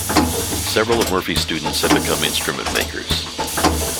Several of Murphy's students have become instrument makers.